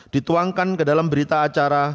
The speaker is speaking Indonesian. dituangkan ke dalam berita acara